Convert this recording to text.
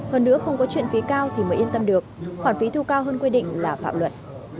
hơn nữa không có chuyện phí cao thì mới yên tâm được khoản phí thu cao hơn quy định là phạm luật